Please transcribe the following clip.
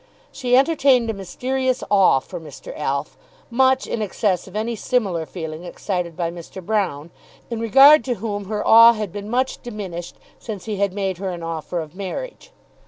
She entertained a mysterious awe for Mr. Alf, much in excess of any similar feeling excited by Mr. Broune, in regard to whom her awe had been much diminished since he had made her an offer of marriage.